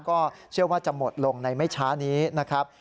ก็เชื่อว่าจะหมดลงในไม่ช้านี้นะครับ